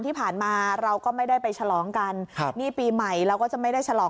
ที่ผ่านมาเราก็ไม่ได้ไปฉลองกันครับนี่ปีใหม่เราก็จะไม่ได้ฉลอง